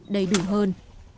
đầy đủ hơn